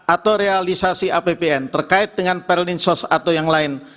atau realisasi apbn terkait dengan perlinsos atau yang lain